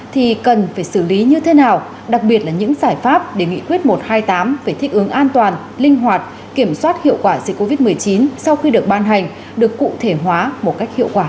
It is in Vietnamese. thì cần phải xử lý như thế nào đặc biệt là những giải pháp để nghị quyết một trăm hai mươi tám về thích ứng an toàn linh hoạt kiểm soát hiệu quả dịch covid một mươi chín sau khi được ban hành được cụ thể hóa một cách hiệu quả